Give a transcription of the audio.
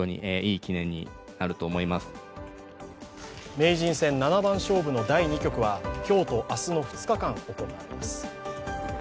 名人戦七番勝負の第２局は今日と明日の２日間行われます。